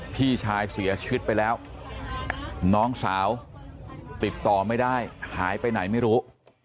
พี่ชายเสียชีวิตไปแล้วน้องสาวติดต่อไม่ได้หายไปไหนไม่รู้